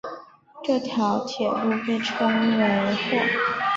这条铁路被称为或。